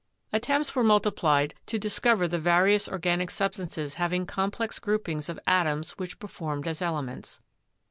Attempts were multiplied to discover the vari ous organic substances having complex groupings of atoms which performed as elements.